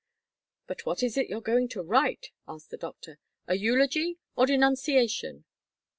"But what is it you're going to write," asked the doctor, "a eulogy or denunciation?"